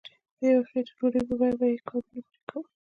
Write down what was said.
د یوې خیټې ډوډۍ په بیه به یې کارونه پرې کول.